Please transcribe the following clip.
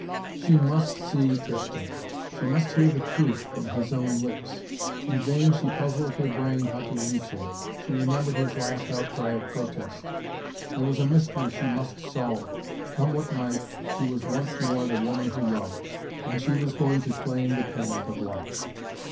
She must see Tristan. She must hear the truth from his own lips. In vain she puzzled her brain how to reach him. She remembered his last outcry of protest. There was a mystery she must solve. Come what might, she was once more the woman who loved. And she was going to claim the payment of love!